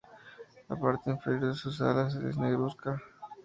La parte inferior de sus alas es negruzca.